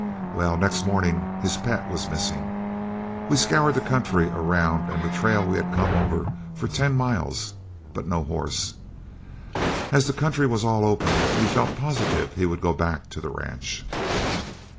Well, next morning his pet was missing. We scoured the country around and the trail we had come over for ten miles, but no horse. As the country was all open, we felt positive he would go back to the ranch.